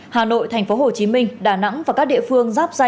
hà nội tp hcm đà nẵng và các địa phương